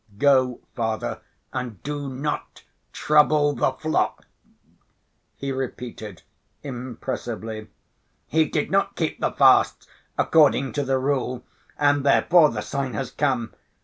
Go, Father, and do not trouble the flock!" he repeated impressively. "He did not keep the fasts according to the rule and therefore the sign has come.